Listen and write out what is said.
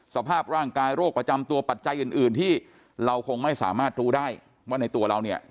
สภาพร่างกายโรคประจำตัวปัจจัยอื่นที่เราคงไม่สามารถรู้ได้ว่าในตัวเราเนี่ย